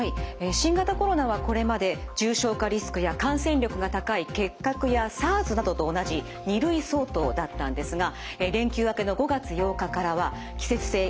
新型コロナはこれまで重症化リスクや感染力が高い結核やＳＡＲＳなどと同じ２類相当だったんですが連休明けの５月８日からは季節性インフルエンザ